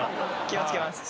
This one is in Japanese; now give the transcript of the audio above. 気を付けます。